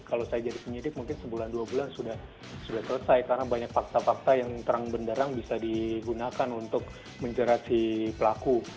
kalau saya jadi penyidik mungkin sebulan dua bulan sudah selesai karena banyak fakta fakta yang terang benderang bisa digunakan untuk menjerat si pelaku